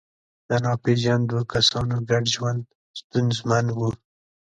د ناپېژاندو کسانو ګډ ژوند ستونزمن و.